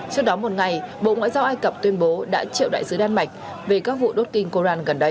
trước đó một ngày bộ ngoại giao ai cập tuyên bố đã triệu đại sứ đan mạch về các vụ đốt kinh koran gần đây